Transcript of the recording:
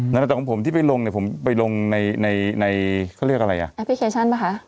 นั่นจากผมจะลงจากไปลงในอัพสติเกร็ชันป่ะคะ